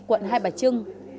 quận hai bà trưng